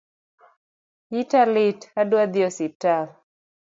Ita lit adwa dhi osiptal